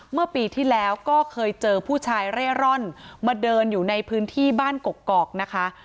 เมื่อปีที่แล้วก็เคยเจอผู้ชายเร่ร่อนมาเดินอยู่ในพื้นที่บ้านกกอกนะคะ